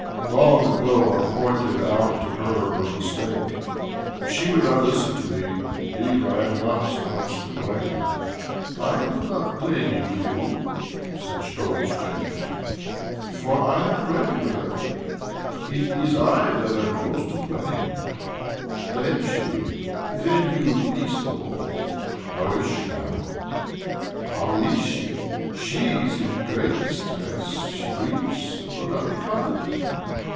Long ago I pointed out to her her mistake, but she would not listen to me. Indeed I am not so much to blame." ^" I am not blaming you," said Schtoltz gently ;" for I have read your letter. It is I that am most to blame — then she —then you least of all." " How is she now? "" How is she? She is in great distress. She weeps, and will not be comforted."